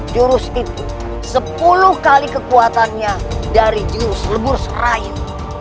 jurus itu sepuluh kali kekuatannya dari jurus lebur serayu